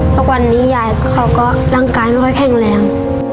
ทุกวันนี้ยายเขาก็ร่างกายไม่ค่อยแข็งแรง